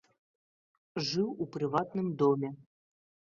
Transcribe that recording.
Жыў у прыватным доме.